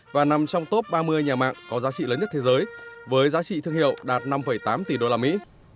và nằm trong top ba mươi nhà mạng có giá trị lớn nhất thế giới với giá trị thương hiệu đạt năm tám tỷ đô la mỹ